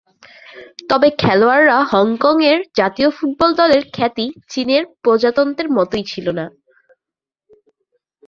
তবে খেলোয়াড়রা হংকংয়ের জাতীয় ফুটবল দলের খ্যাতি চীনের প্রজাতন্ত্রের মতোই ছিল না।